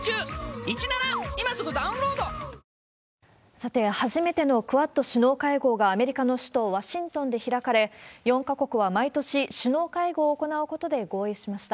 さて、初めてのクアッド首脳会合がアメリカの首都ワシントンで開かれ、４か国は毎年首脳会合を行うことで合意しました。